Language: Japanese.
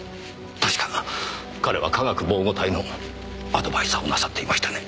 確か彼は科学防護隊のアドバイザーをなさっていましたね。